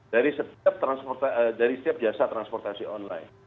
dari setiap jasa transportasi online